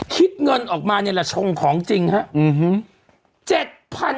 คิดเงินออกมานี่แหละชงของจริงครับ